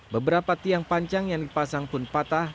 beberapa tiang panjang yang dipasang pun patah